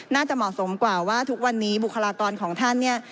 น่าจะเหมาะสมกว่าว่าทุกวันนี้บุคลากรของท่านเนี่ย